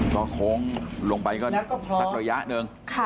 ก็โค้งลงไปก็สักระยะหนึ่ง